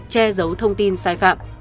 che giấu thông tin sai phạm